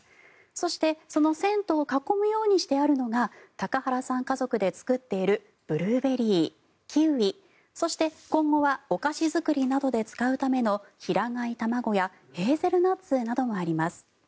そして、その銭湯を囲むようにしてあるのが高原さん家族で作っているブルーベリーキウイ、そして今後はお菓子作りなどで使うための平飼卵やヘーゼルナッツなどもあります。